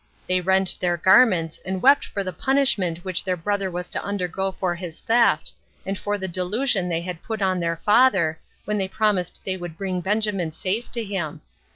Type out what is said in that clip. They rent their garments, and wept for the punishment which their brother was to undergo for his theft, and for the delusion they had put on their father, when they promised they would bring Benjamin safe to him.